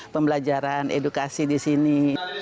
pembelajaran edukasi di sini